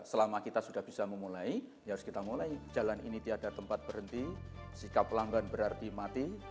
selama kita sudah bisa memulai ya harus kita mulai jalan ini tiada tempat berhenti sikap pelanggan berarti mati